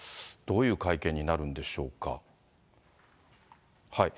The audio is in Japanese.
どういう会見になるんでしょうか。